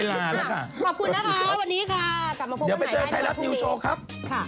กลับมาพบกันใหม่ให้ทุกวิดีโอครับทุกวิดีโอครับค่ะเดี๋ยวไปเจอไทยรัฐนิวโชว์ครับ